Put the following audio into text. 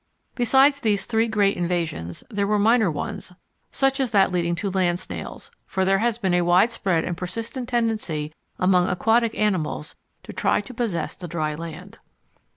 Besides these three great invasions, there were minor ones such as that leading to land snails, for there has been a widespread and persistent tendency among aquatic animals to try to possess the dry land.